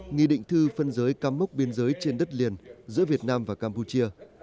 nghi định thư phân giới cam mốc biên giới trên đất liền giữa việt nam và campuchia